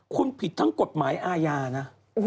คุณผิดทั้งกฎหมายอาญานะ